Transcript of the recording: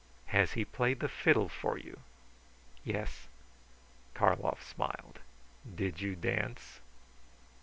"Has he played the fiddle for you?" "Yes." Karlov smiled. "Did you dance?"